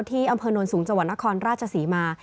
ที่อำเภนนวลสูงจะวะนครราชสีมา